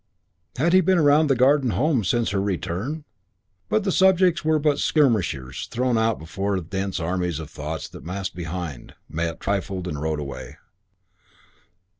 Had he been round the Garden Home since her return? But the subjects were but skirmishers thrown out before dense armies of thoughts that massed behind; met, and trifled, and rode away.